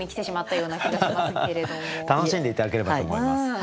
楽しんで頂ければと思います。